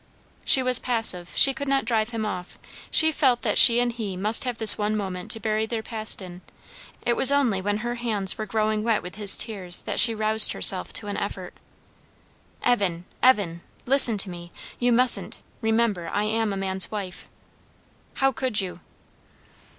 She was passive; she could not drive him off; she felt that she and he must have this one moment to bury their past in; it was only when her hands were growing wet with his tears that she roused herself to an effort. "Evan Evan listen to me! You mustn't remember, I am a man's wife." "How could you?"